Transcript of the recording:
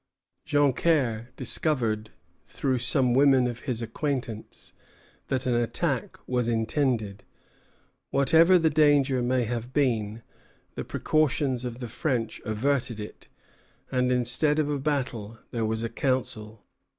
Joncaire discovered through some women of his acquaintance that an attack was intended. Whatever the danger may have been, the precautions of the French averted it; and instead of a battle, there was a council.